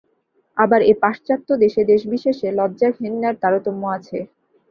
আবার এ পাশ্চাত্য দেশে দেশবিশেষে লজ্জাঘেন্নার তারতম্য আছে।